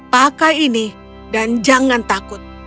pakai ini dan jangan takut